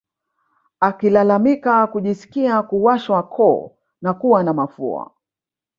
Akilalamika kujisikia kuwashwa koo na kuwa na mafua